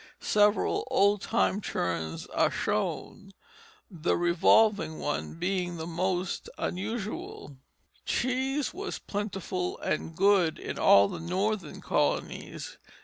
Several old time churns are shown, the revolving one being the most unusual. Cheese was plentiful and good in all the Northern colonies.